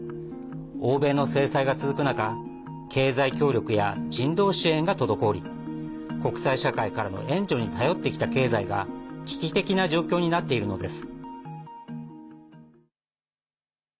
欧米の制裁が続く中経済協力や人道支援が滞り国際社会からの援助に頼ってきた経済が危機的な状況になっているのです。